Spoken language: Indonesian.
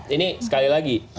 ini sekali lagi